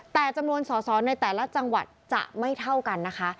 แต่จำนวนสอสอในแต่ละจังหวัดจะไม่เท่ากันนะคะ